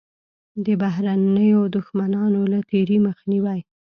د بهرنیو دښمنانو له تېري مخنیوی.